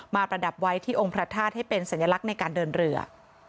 ประดับไว้ที่องค์พระธาตุให้เป็นสัญลักษณ์ในการเดินเรือ